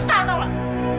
kamu dusta tolong